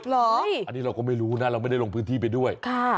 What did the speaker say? เหรออันนี้เราก็ไม่รู้นะเราไม่ได้ลงพื้นที่ไปด้วย